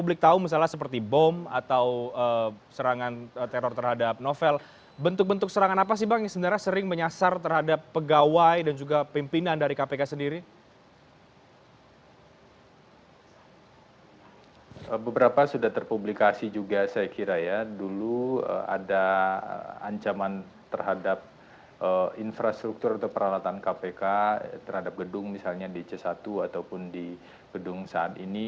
infrastruktur atau peralatan kpk terhadap gedung misalnya di c satu ataupun di gedung saat ini